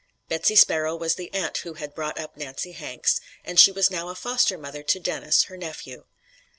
Betsy Sparrow was the aunt who had brought up Nancy Hanks, and she was now a foster mother to Dennis, her nephew.